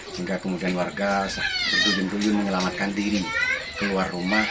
sehingga kemudian warga segera menyerahkan diri keluar rumah